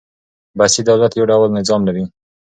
بسیط دولت يو ډول نظام لري.